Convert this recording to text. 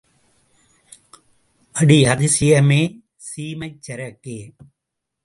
அடி அதிசயமே, சீமைச் சரக்கே!